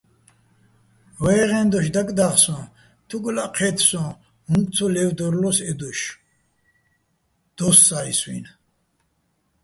ვაჲღეჼ დოშ დაკდა́ღო სოჼ: თუკლაჸ ჴე́თ სოჼ, უ̂ნკ ცო ლე́ვდორლო́ს ე დოშ - დო́ს სა́ისუჲნი̆.